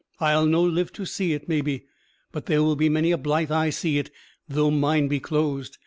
I'll no live to see it, maybe; but there will be many a blithe eye see it though mine be closed.